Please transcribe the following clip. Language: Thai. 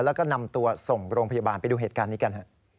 แล้วก็นำตัวส่งโรงพยาบาลไปดูเหตุการณ์นี้กัน